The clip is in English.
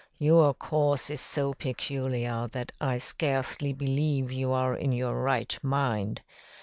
Your course is so peculiar that I scarcely believe you are in your right mind.